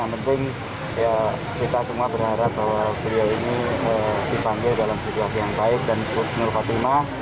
yang penting kita semua berharap bahwa beliau ini dipanggil dalam situasi yang baik dan putus nurka timah